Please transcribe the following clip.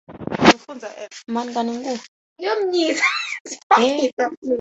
If the sawtooth waves are bandlimited, the resulting pulse wave is bandlimited, too.